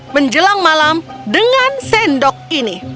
menjelang malam dengan sendok ini